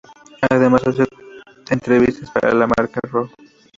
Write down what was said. Además hace entrevistas para la marca Raw.